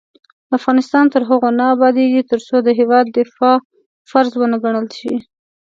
افغانستان تر هغو نه ابادیږي، ترڅو د هیواد دفاع فرض ونه ګڼل شي.